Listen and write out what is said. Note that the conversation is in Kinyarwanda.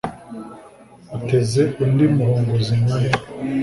Uteze undi muhunguzi nka he ?